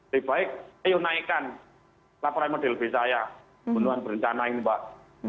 lebih baik ayo naikkan laporan model b saya pembunuhan berencana ini mbak